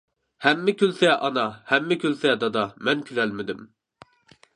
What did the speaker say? ھەممە كۈلسە ئانا، ھەممە كۈلسە دادا، مەن كۈلەلمىدىم.